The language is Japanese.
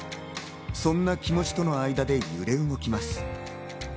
そんな気持ちとの間で揺れ動きます。